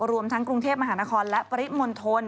รวมทั้งกรุงเทพมหานครและปริมณฑล